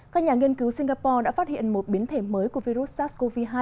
các nhà nghiên cứu singapore đã phát hiện một biến thể mới của virus sars cov hai